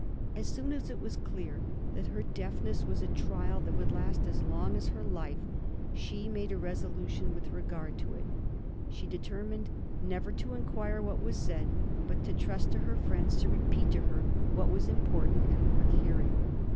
As soon as it was clear that her deafness was a trial that would last as long as her life, she made a resolution with regard to it. She determined never to inquire what was said, but to trust to her friends to repeat to her what was important and worth hearing.